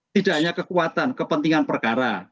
tidak hanya kekuatan kepentingan perkara